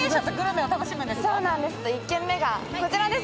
１軒目がこちらです。